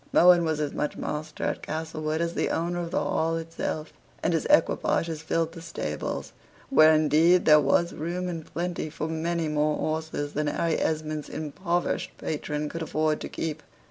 Mohun was as much master at Castlewood as the owner of the Hall itself; and his equipages filled the stables, where, indeed, there was room and plenty for many more horses than Harry Esmond's impoverished patron could afford to keep.